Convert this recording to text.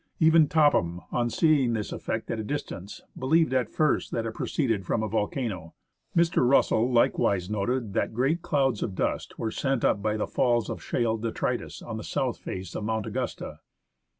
Even Topham, on seeing this effect at a distance, believed at first that it proceeded from a volcano. Mr. Russell likewise noted that great clouds of dust were sent up by the falls of shale detritus on the south face of Mount Augusta.